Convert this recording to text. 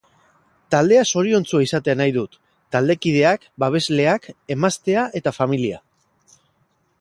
Taldea zoriontsua izatea nahi dut, taldekideak, babesleak, emaztea eta familia.